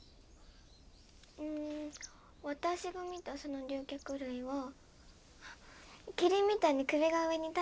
うん私が見たその竜脚類はキリンみたいに首が上に立っていました。